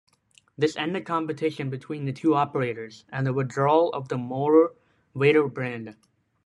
This ended competition between the two operators and the withdrawal of the Motorvator brand.